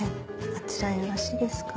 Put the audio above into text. あちらよろしいですか？